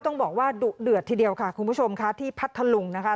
ต้องบอกว่าดุเดือดทีเดียวค่ะคุณผู้ชมค่ะที่พัทธลุงนะคะ